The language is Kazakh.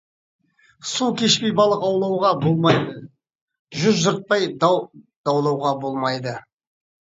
Су кешпей балық аулауға болмайды, жүз жыртпай дау даулауға болмайды.